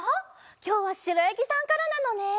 きょうはしろやぎさんからなのね！